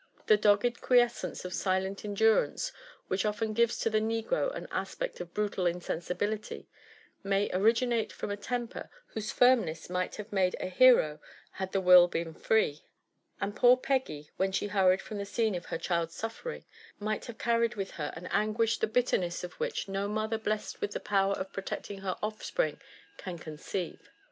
The dogged quiescence of silent endurance which often gives to the negro an aspect of brutal insensibility, may originate from t temper whose firmness might have made a hero had the will been free ; and poor Peggy, when she hurried from the scene of her child's suflering, might have carried with her an anguish the bitterness of whith no mother blessed with the power of protecting her ofTspring can conceive.